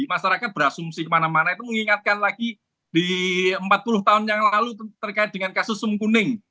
masyarakat berasumsi kemana mana itu mengingatkan lagi di empat puluh tahun yang lalu terkait dengan kasus sum kuning